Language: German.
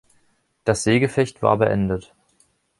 Das Seegefecht war beendet.